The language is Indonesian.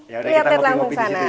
ya udah kita ngopi ngopi disitu ya